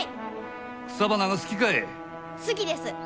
好きです。